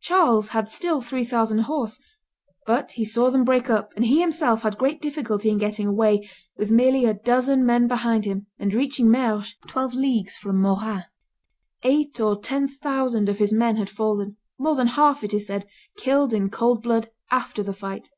Charles had still three thousand horse, but he saw them break up, and he himself had great difficulty in getting away, with merely a dozen men behind him, and reaching Merges, twelve leagues from Morat. Eight or ten thousand of his men had fallen, more than half, it is said, killed in cold blood after the fight.